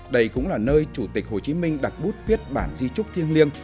đây cũng là nơi chủ tịch hồ chí minh đặt bút viết bản di trúc thiêng liêng